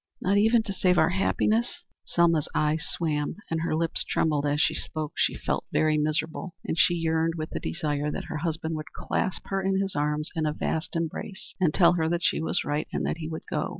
"Not even to save our happiness?" Selma's eyes swam and her lips trembled as she spoke. She felt very miserable, and she yearned with the desire that her husband would clasp her in his arms in a vast embrace, and tell her that she was right and that he would go.